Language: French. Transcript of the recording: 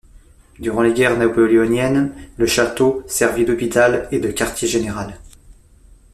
Durant les guerres napoléoniennes, le château servit d’hôpital et de quartier-général.